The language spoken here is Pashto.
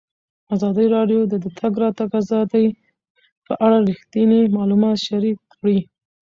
ازادي راډیو د د تګ راتګ ازادي په اړه رښتیني معلومات شریک کړي.